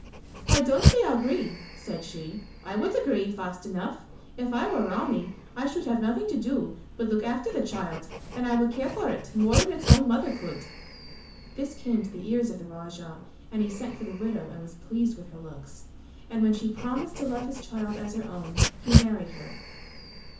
"Why don't they agree," said she, "I would agree fast enough. If I were Rani I should have nothing to do but look after the child and I would care for it more than its own mother could." This came to the ears of the Raja and he sent for the widow and was pleased with her looks, and when she promised to love his child as her own, he married her.